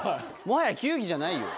もはや球技じゃないよ。